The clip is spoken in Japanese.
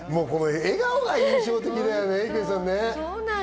笑顔が印象的だよね。